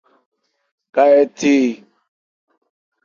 Ka hɛ the e ?